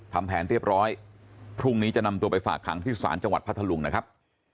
ทำแผนเรียบร้อยพรุ่งนี้จะนำตัวไปฝากขังที่ศาลจังหวัดพัทธลุงนะครับ